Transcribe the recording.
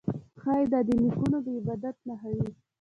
ښايي دا د نیکونو د عبادت نښه وي